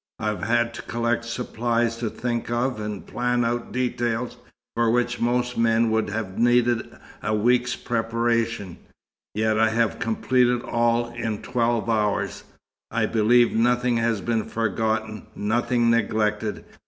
I have had to collect supplies, to think of and plan out details for which most men would have needed a week's preparation, yet I have completed all in twelve hours. I believe nothing has been forgotten, nothing neglected.